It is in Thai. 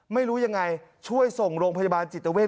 ไม่รู้ยังไงช่วยส่งโรงพยาบาลจิตเวท